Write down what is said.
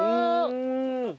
うん！